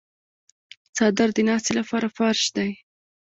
څادر د ناستې لپاره فرش دی.